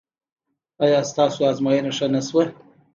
ایا ستاسو ازموینه ښه نه شوه؟